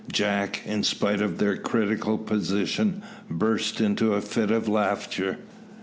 Jack, in spite of their critical position, burst into a fit of laughter.